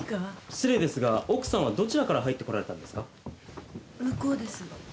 失礼ですが奥さんはどちらから入って来られたんですか？向こうです。